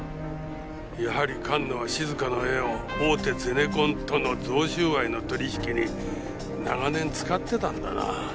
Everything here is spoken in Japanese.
やはり菅野は静香の絵を大手ゼネコンとの贈収賄の取引に長年使ってたんだな。